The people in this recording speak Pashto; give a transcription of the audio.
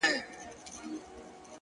په دې پردي وطن كي؛